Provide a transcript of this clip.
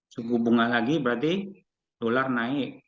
suku bunga lagi berarti dolar naik